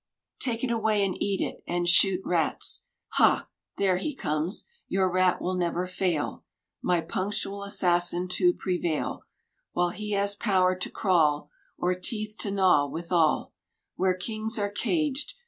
iZ7i Take it away and eat it, and shoot rats. Hal there he comes. Your rat will never fail. My punctual assassin, to prevail — While he has power to crawl, Or teeth to gnaw withal — Where kings are caged.